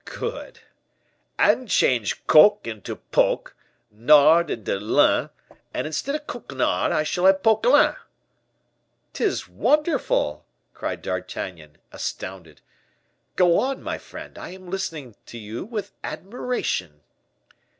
"Good." "And change Coc into Poc, nard into lin; and instead of Coquenard I shall have Poquelin." "'Tis wonderful," cried D'Artagnan, astounded. "Go on, my friend, I am listening to you with admiration."